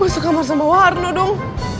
masuk kamar sama warno dong